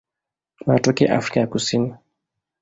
Wanatokea Afrika ya Kusini.